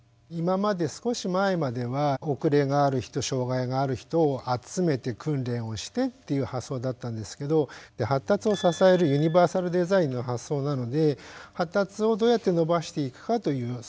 今まで少し前までは遅れがある人障害がある人を集めて訓練をしてっていう発想だったんですけど発達を支えるユニバーサルデザインの発想なので発達をどうやって伸ばしていくかという。